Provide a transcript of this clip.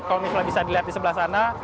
kalau misalnya bisa dilihat di sebelah sana